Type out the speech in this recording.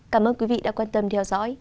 cảm ơn quý vị đã quan tâm theo dõi